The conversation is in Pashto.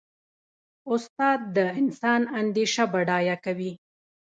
استاد د انسان اندیشه بډایه کوي.